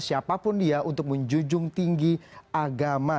siapapun dia untuk menjunjung tinggi agama